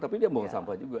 tapi dia buang sampah juga